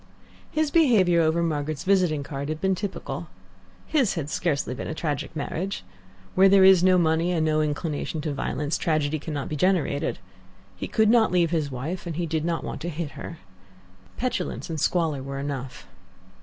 His behaviour over Margaret's visiting card had been typical. His had scarcely been a tragic marriage. Where there is no money and no inclination to violence tragedy cannot be generated. He could not leave his wife, and he did not want to hit her. Petulance and squalor were enough.